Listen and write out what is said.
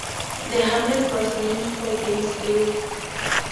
The hamlet was named for James DeWitt.